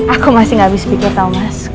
aku masih gak bisa pikir tau mas